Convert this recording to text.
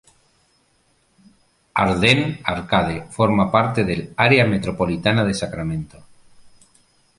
Arden-Arcade forma parte del área metropolitana de Sacramento.